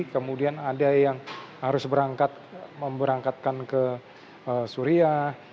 kemudian ada yang harus berangkat memberangkatkan ke suriah